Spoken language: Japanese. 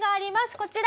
こちら！